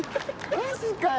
マジかよ！